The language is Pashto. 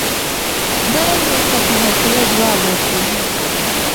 دی ورته په حوصله ځواب ورکوي.